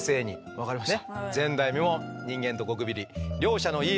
分かりました。